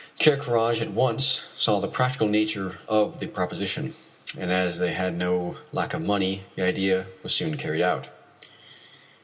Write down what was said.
Ker Karraje at once saw the practical nature of the proposition, and as they had no lack of money the idea was soon carried out.